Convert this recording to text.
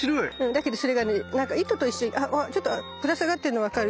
だけどそれがねなんか糸と一緒にあっちょっとぶら下がってるの分かる？